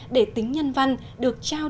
để tính nhân văn được trao đi một cách trọn vẹn